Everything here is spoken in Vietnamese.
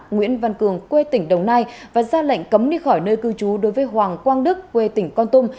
nguyễn văn cường quê tỉnh đồng nai và ra lệnh cấm đi khỏi nơi cư trú đối với hoàng quang đức quê tỉnh con tum